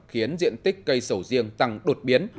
khiến diện tích cây sầu riêng tăng đột biến